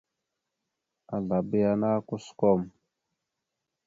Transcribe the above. Azlaba yana kusəkom.